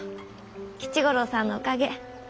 吉五郎さんのおかげ。